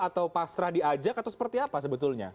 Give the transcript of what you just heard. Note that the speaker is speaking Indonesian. atau pasrah diajak atau seperti apa sebetulnya